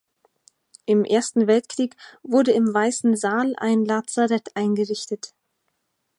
Im Ersten Weltkrieg wurde im weißen Saal ein Lazarett eingerichtet.